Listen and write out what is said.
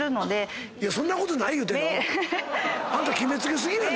あんた決め付け過ぎなんや。